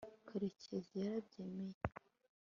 karekezi yarabyemeye